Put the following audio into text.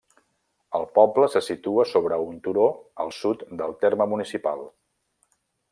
El poble se situa sobre un turó al sud del terme municipal.